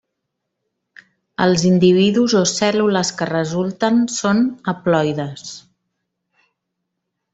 Els individus o cèl·lules que resulten són haploides.